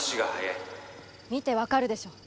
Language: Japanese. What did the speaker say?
見てわかるでしょ。